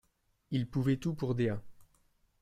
Il pouvait tout pour Dea.